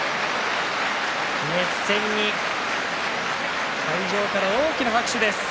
熱戦に会場から大きな拍手です。